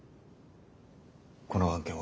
この案件は俺が。